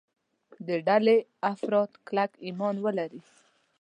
د ډلې افراد کلک ایمان ولري.